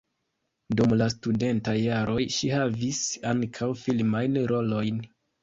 Dum la studentaj jaroj ŝi havis ankaŭ filmajn rolojn.